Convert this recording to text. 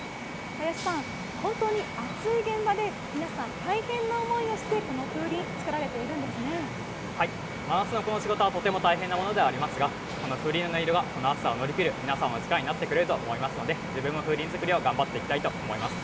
林さん、本当に暑い現場で、皆さん大変な思いをして、この風鈴、作られて真夏のこの仕事はとても大変なものではありますが、風鈴の音色はこの暑さを乗り切る皆さんの力になってくれると思いますので、自分も風鈴作りを頑張っていきたいと思います。